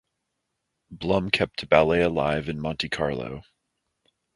Blum kept ballet alive in Monte Carlo.